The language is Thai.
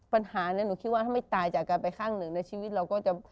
ปัญหานี้หนูคิดว่าถ้าไม่ตายจากการไปข้างหนึ่งในชีวิตเราก็จะ